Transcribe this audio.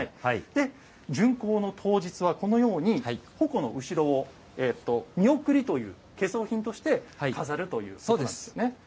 巡行の当日は、このように鉾の後ろを見送りという懸装品として飾るということなんですね。